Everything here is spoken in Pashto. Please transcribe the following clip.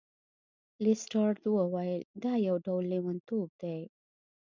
لیسټرډ وویل چې دا یو ډول لیونتوب دی.